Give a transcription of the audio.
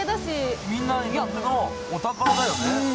みんなにとってのお宝だよね。